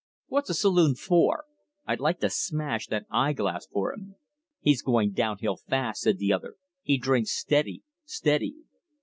What's a saloon for! I'd like to smash that eye glass for him!" "He's going down hill fast," said the other. "He drinks steady steady."